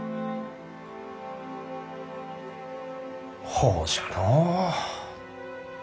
ほうじゃのう。